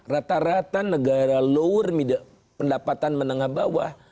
rata rata negara lower pendapatan menengah bawah